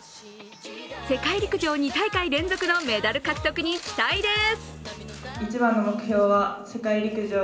世界陸上２大会連続のメダル獲得に期待です。